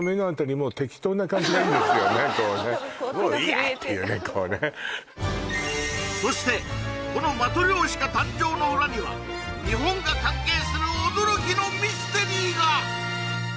もういいや！っていうねそしてこのマトリョーシカ誕生の裏には日本が関係する驚きのミステリーが！